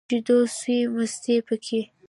شيدو سوى ، مستې پوکي.